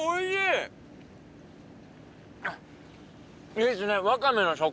いいですね。